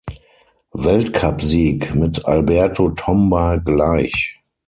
Weltcupsieg mit Alberto Tomba gleich.